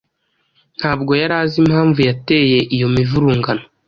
Ntabwo yari azi impamvu yateye iyo mivurungano,